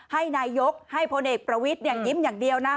ให้นายกให้พลเอกประวิทย์ยิ้มอย่างเดียวนะ